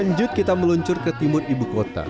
lanjut kita meluncur ke timur ibu kota